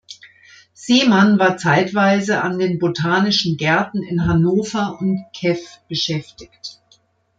Seemann war zeitweise an den Botanischen Gärten in Hannover und in Kew beschäftigt.